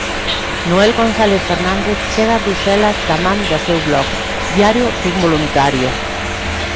Noel González Fernández chega a Bruxelas da man do seu blog, Diario dun Voluntario.